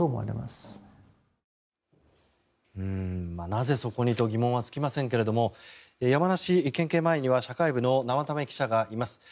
なぜ、そこにと疑問は尽きませんが山梨県警前には社会部の生田目記者がいます。